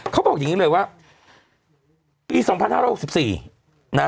เขาบอกอย่างนี้เลยว่าปี๒๕๖๔นะ